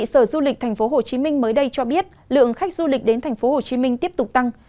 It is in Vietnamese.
sở du lịch tp hcm mới đây cho biết lượng khách du lịch đến tp hcm tiếp tục tăng